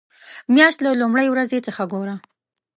مياشت له لومړۍ ورځې څخه ګوره.